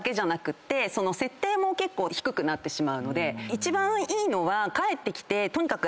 一番いいのは帰ってきてとにかく。